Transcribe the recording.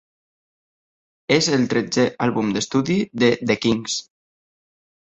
És el tretzè àlbum d'estudi de The Kinks.